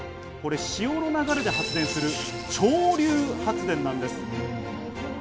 潮の流れで発電する潮流発電なんです。